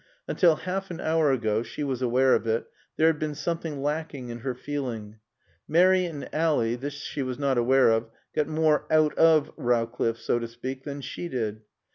Until half an hour ago (she was aware of it) there had been something lacking in her feeling. Mary and Ally (this she was not aware of) got more "out of" Rowcliffe, so to speak, than she did.